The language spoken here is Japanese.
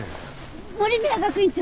守宮学院長！